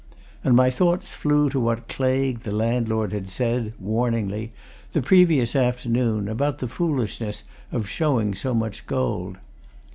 And my thoughts flew to what Claigue, the landlord, had said, warningly, the previous afternoon, about the foolishness of showing so much gold.